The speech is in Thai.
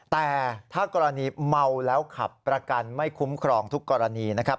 แต่ถ้ากรณีเมาแล้วขับประกันไม่คุ้มครองทุกกรณีนะครับ